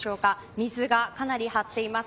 水がかなり張っています。